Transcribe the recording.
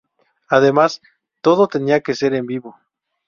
Además, todo tenía que ser en vivo.